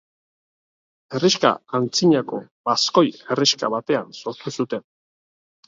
Herrixka antzinako baskoi herrixka batean sortu zuten.